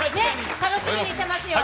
楽しみにしてますよ。